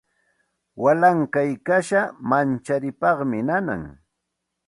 Wallankuy kasha mancharipaqmi nanan.